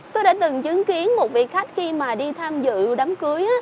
tôi đã từng chứng kiến một vị khách khi mà đi tham dự đám cưới